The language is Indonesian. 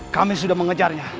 kami sudah mengejarnya